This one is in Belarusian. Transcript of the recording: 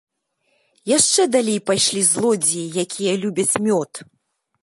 Яшчэ далей пайшлі злодзеі, якія любяць мёд.